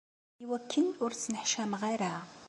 Iwakken ur ttneḥcameɣ ara.